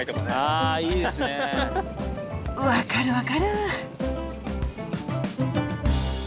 分かる分かる！